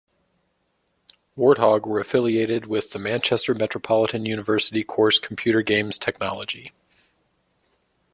Warthog were affiliated with the Manchester Metropolitan University course Computer Games Technology.